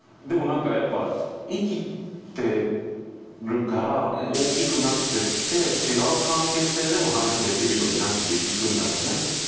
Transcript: でもやっぱ生きてるから大きくなってって違う関係性でも話できるようになっていくんだろうね。